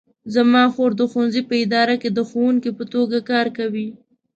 زما خور د ښوونځي په اداره کې د ښوونکې په توګه کار کوي